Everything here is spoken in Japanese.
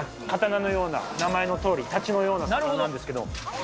太刀、刀のような、名前のとおり、たちのような魚なんですけど。